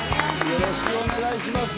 よろしくお願いします。